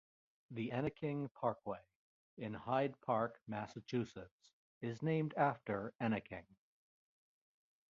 The Enneking Parkway in Hyde Park, Massachusetts is named after Enneking.